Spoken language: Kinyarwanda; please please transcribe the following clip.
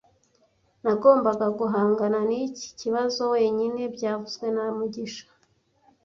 Nagombaga guhangana n'iki kibazo wenyine byavuzwe na mugisha